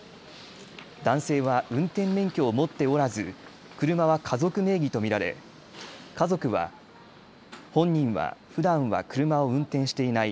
男性は運転免許を持っておらず車は家族名義と見られ家族は本人はふだんは車を運転していない。